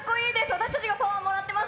私たちがパワーもらってます。